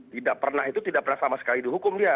tidak pernah itu tidak pernah sama sekali dihukum dia